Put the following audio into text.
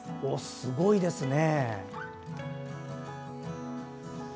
すごいですね！